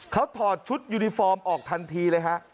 เขาถอดชุดยูนิฟอร์มออกทันทีเลยฮะ